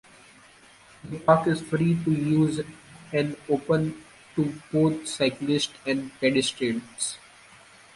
The park is free to use and open to both cyclists and pedestrians.